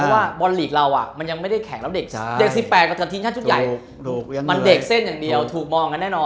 อเจมส์พอหลีกเราอ่ะมันยังไม่ได้แข็งแล้วเด็ก๑๘กว่าถึงชุดใหญ่มันเด็กเส้นอย่างเดียวถูกมองกันแน่นอน